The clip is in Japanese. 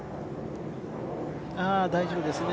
ああ、大丈夫ですね。